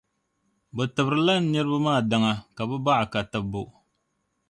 Bɛ tibirila n niriba maa daŋa ka bɛ baɣa ka tibbu.